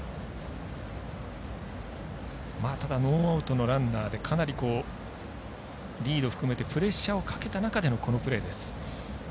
ただ、ノーアウトのランナーでかなりリード含めてプレッシャーをかけた中でのこのプレーです。